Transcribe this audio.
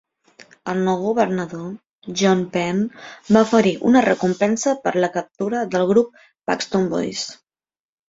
El nou governador, John Penn, va oferir una recompensa per la captura del grup Paxton Boys.